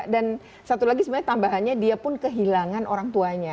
dan satu lagi sebenarnya tambahannya dia pun kehilangan orang tuanya